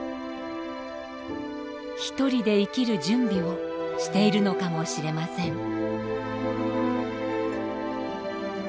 独りで生きる準備をしているのかもしれません。